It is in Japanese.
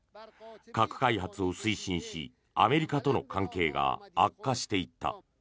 核開発を推進し、アメリカとの関係が悪化していった。